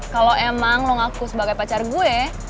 kalau emang lo ngaku sebagai pacar gue